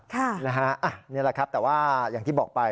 นี่แหละครับแต่ว่าอย่างที่บอกไป